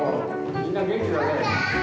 みんな元気だね。